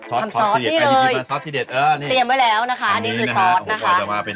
ทำซอสนี่เลยอันนี้คือซอสนะคะอันนี้คือซอสนะครับอันนี้คือซอส